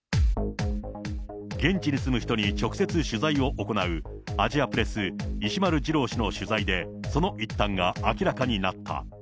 現地に住む人に直接取材を行う、アジアプレス、石丸次郎氏の取材で、その一端が明らかになった。